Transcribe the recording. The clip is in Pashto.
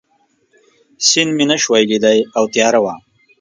سیند مې نه شوای لیدای او تیاره وه.